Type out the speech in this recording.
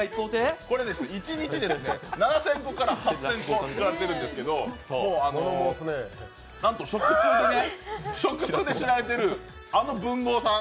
一日７０００個から８０００個作られているんですけど、なんと食通で知られてるあの文豪さん